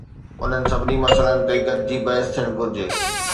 انهن سڀني مسئلن تي گڏجي بحث ٿيڻ گهرجي